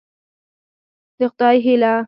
د خدای هيله